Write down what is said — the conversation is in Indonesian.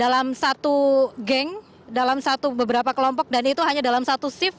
dalam satu geng dalam satu beberapa kelompok dan itu hanya dalam satu shift